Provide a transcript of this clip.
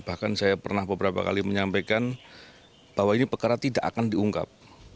bahkan saya pernah beberapa kali menyampaikan bahwa ini perkara tidak akan diungkap